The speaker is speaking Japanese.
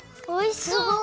おいしそう！